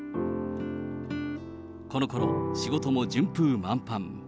このころ、仕事も順風満帆。